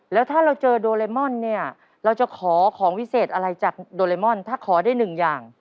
แล้วถ้าเราเจอโดเรมอนเนี่ยเราจะขอของวิเศษอะไรจากโดเรมอนถ้าขอได้หนึ่งอย่าง